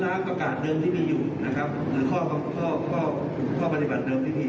และให้เป็นความปลอดภัยมากขึ้น